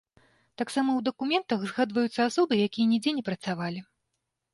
Таксама ў дакументах згадваюцца асобы, якія нідзе не працавалі.